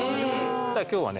今日はね